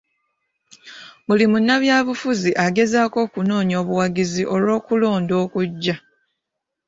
Buli munnabyabufuzi agezaako okunoonya obuwagizi olw'okulonda okujja.